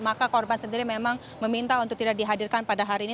maka korban sendiri memang meminta untuk tidak dihadirkan pada hari ini